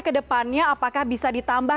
ke depannya apakah bisa ditambah